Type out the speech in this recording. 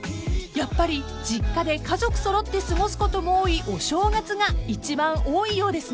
［やっぱり実家で家族揃って過ごすことも多いお正月が一番多いようですね］